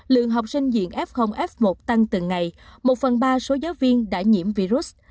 lượng học sinh diện f f một tăng từng ngày một phần ba số giáo viên đã nhiễm virus